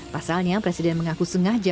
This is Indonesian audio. pasalnya presiden mengaku sengaja